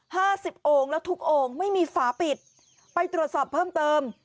ห้าสิบโอ่งแล้วทุกโอ่งไม่มีฝาปิดไปตรวจสอบเพิ่มเติม